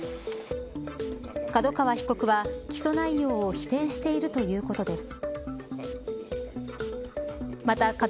角川被告は起訴内容を否定しているということです。